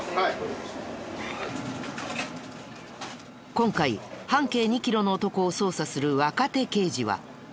今回半径２キロの男を捜査する若手刑事は。